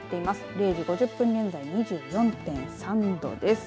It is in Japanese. ０時５０分現在２４．３度です。